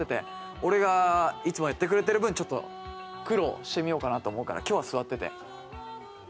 俺がいつもやってくれてる分ちょっと苦労してみようかなと思うから今日は座ってて。